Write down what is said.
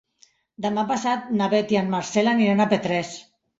Demà passat na Beth i en Marcel aniran a Petrés.